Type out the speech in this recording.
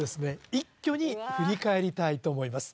一挙に振り返りたいと思います